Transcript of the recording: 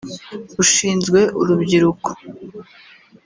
ushinzwe urubyiruko